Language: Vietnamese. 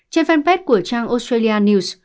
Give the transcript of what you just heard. trên fanpage của trang australia news